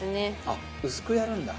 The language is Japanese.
あっ薄くやるんだ。